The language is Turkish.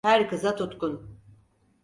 Her kıza tutkun…